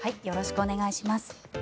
よろしくお願いします。